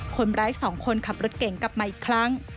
คนร้าย๒คนขับรถเก่งกลับมาอีกครั้ง